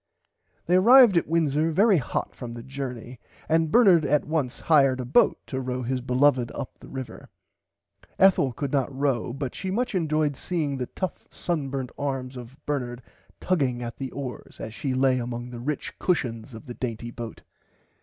They arrived at Windsor very hot from the jorney and Bernard at once hired a boat to row his beloved up the river. Ethel could not row but she much enjoyed seeing the tough sunburnt arms of Bernard tugging at the oars as she lay among the rich cushons of the dainty boat.